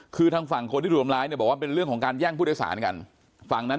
๓๙คือทั้งฝั่งคนที่หลวมร้ายนึกบอกว่าเป็นเรื่องของการย่างผู้โดยสารกันฝั่งนั้น